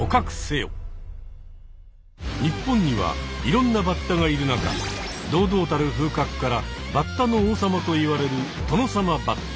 日本にはいろんなバッタがいる中堂々たる風格からバッタの王様といわれるトノサマバッタ。